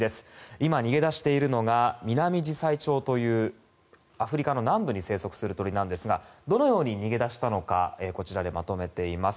今、逃げ出しているのがミナミジサイチョウというアフリカの南部に生息する鳥なんですがどのように逃げ出したのかまとめています。